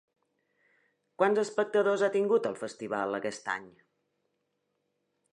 Quants espectadors ha tingut el Festival aquest any?